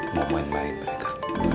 mau main main mereka